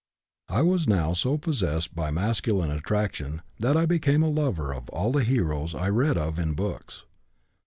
"I was now so possessed by masculine attraction that I became a lover of all the heroes I read of in books.